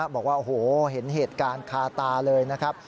บอกว่าโอ้โหเห็นเหตุการณ์คาตาเลยนะครับ